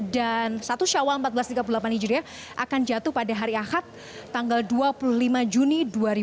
dan satu syawal empat belas tiga puluh delapan hijriah akan jatuh pada hari ahad tanggal dua puluh lima juni dua ribu tujuh belas